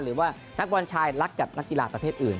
หรือว่านักบอลชายรักกับนักกีฬาประเภทอื่น